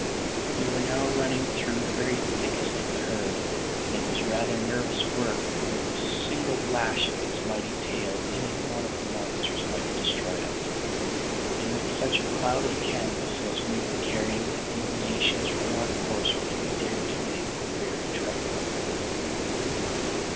We were now running through the very thickest of the herd, and it was rather nervous work, for with a single lash of its mighty tail any one of the monsters might have destroyed us; and with such a cloud of canvas as we were carrying the deviations from our course which we dared to make were very trifling.